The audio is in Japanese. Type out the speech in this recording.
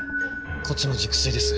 こっちも熟睡です。